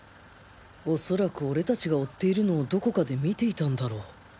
恐らく俺たちが追っているのをどこかで見ていたんだろう。